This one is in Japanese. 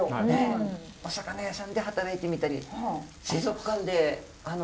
お魚屋さんで働いてみたり水族館であの。